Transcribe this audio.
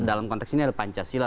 dalam konteks ini ada pancasila